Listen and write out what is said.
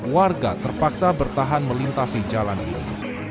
warga terpaksa bertahan melintasi jalan ini